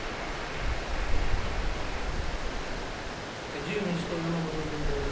自由民主党、山本順三です。